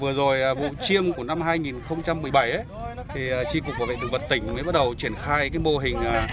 vừa rồi vụ chiêm của năm hai nghìn một mươi bảy tri cục bảo vệ thực vật tỉnh mới bắt đầu triển khai cái mô hình